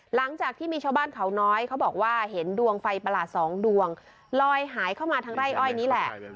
หลังจากที่มีชาวบ้านเขาน้อยเขาบอกว่าเห็นดวงไฟประหลาดสองดวงลอยหายเข้ามาทางไร่อ้อยนี้แหละ